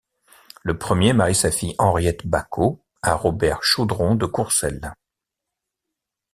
Le premier marie sa fille Henriette Bacot à Robert Chodron de Courcel.